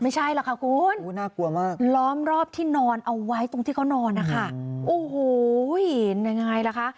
ไม่ใช่ล่ะค่ะคุณน่ากลัวมากล้อมรอบที่นอนเอาไว้ตรงที่เขานอนนะคะโอ้โหยังไงล่ะคะ